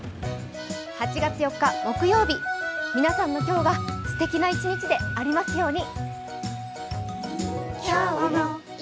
８月４日木曜日、皆さんの今日がすてきな一日になりますように。